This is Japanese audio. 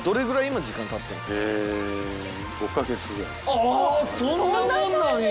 あそんなもんなんや。